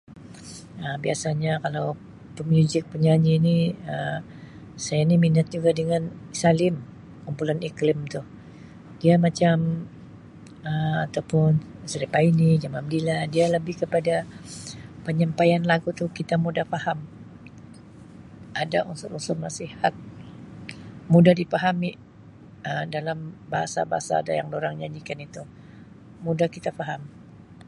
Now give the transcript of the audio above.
Um Biasanya kalau pemuzik penyanyi ini Um saya ini minat juga dengan Salim, kumpulan Iklim tu. Dia macam Um atau pun Sharifah Aini, Jamal Abdillah, dia lebih kepada penyampaian lagu tu kita mudah paham, ada unsur-unsur nasihat mudah dipahami Um dalam bahasa-bahasa ada yang durang nyanyikan itu. Mudah kita faham.